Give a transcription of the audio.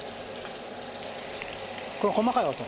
これ細かい音。